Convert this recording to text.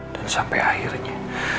dan sampai akhirnya